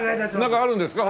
なんかあるんですか？